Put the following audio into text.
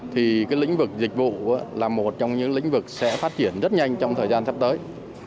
thì cái lĩnh vực dịch vụ là một trong những lĩnh vực sẽ phát triển rất nhanh trong thời gian sắp tới